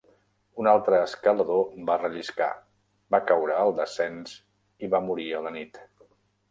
Un altre escalador va relliscar, va caure al descens i va morir a la nit.